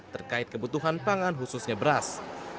terkait kebutuhan beras